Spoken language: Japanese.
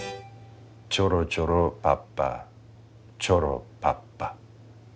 チョロチョロパッパチョロパッパ。